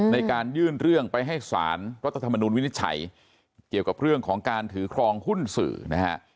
ในการยื่นเรื่องไปให้สารรัฐธรรมนุนวินิจฉัยเกี่ยวกับเรื่องของการถือครองหุ้นสื่อนะฮะ